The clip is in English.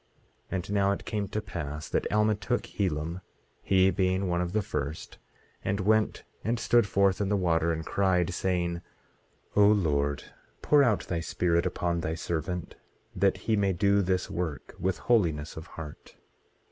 18:12 And now it came to pass that Alma took Helam, he being one of the first, and went and stood forth in the water, and cried, saying: O Lord, pour out thy Spirit upon thy servant, that he may do this work with holiness of heart.